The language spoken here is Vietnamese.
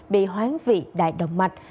bị hoáng vị đại động mạch